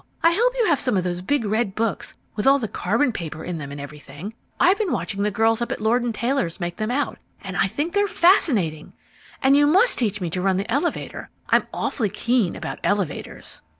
I hope you have some of those big red books with all the carbon paper in them and everything. I've been watching the girls up at Lord and Taylor's make them out, and I think they're fascinating. And you must teach me to run the elevator. I'm awfully keen about elevators."